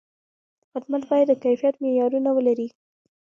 خدمت باید د کیفیت معیارونه ولري.